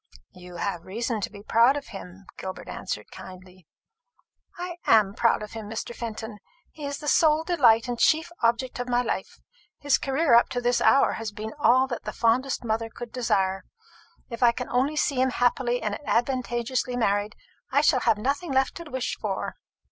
"You have reason to be proud of him," Gilbert answered kindly. "I am proud of him, Mr. Fenton. He is the sole delight and chief object of my life. His career up to this hour has been all that the fondest mother could desire. If I can only see him happily and advantageously married, I shall have nothing left to wish for."